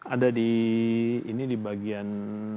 ada di ini di bagian